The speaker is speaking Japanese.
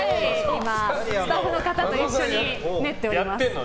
スタッフの方と一緒に練っております。